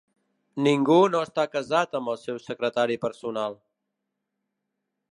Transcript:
Ningú no està casat amb el seu secretari personal.